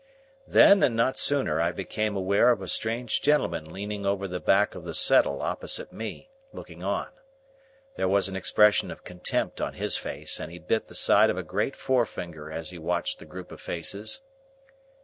Then, and not sooner, I became aware of a strange gentleman leaning over the back of the settle opposite me, looking on. There was an expression of contempt on his face, and he bit the side of a great forefinger as he watched the group of faces.